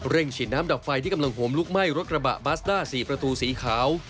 ฉีดน้ำดับไฟที่กำลังโหมลุกไหม้รถกระบะบัสด้า๔ประตูสีขาว